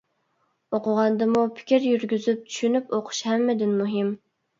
ئوقۇغاندىمۇ پىكىر يۈرگۈزۈپ، چۈشىنىپ ئوقۇش ھەممىدىن مۇھىم.